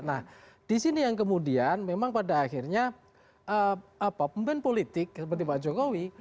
nah di sini yang kemudian memang pada akhirnya pemimpin politik seperti pak jokowi